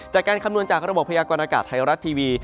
จากการคำนวณจากระบบพยากรณากาศไทยรัตน์ทีวี